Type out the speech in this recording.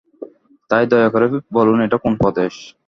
তাই দয়া করে বলুন এটা কোন প্রদেশ।